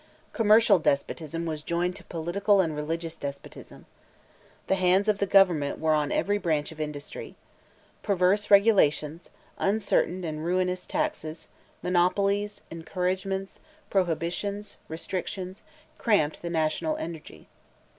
Commercial despotism was joined to political and religious despotism. The hands of the government were on every branch of industry. Perverse regulations, uncertain and ruinous taxes, monopolies, encouragements, prohibitions, restrictions, cramped the national energy.